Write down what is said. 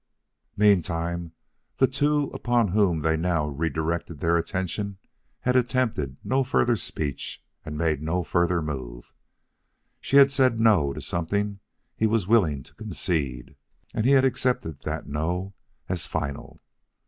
Meantime the two upon whom they now redirected their attention had attempted no further speech and made no further move. She had said No to something he was willing to concede, and he had accepted that no as final.